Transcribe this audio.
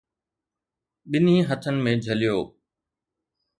ٻنهي هٿن ۾ جهليو.